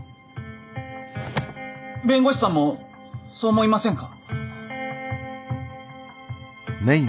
弁護士さんもそう思いませんか？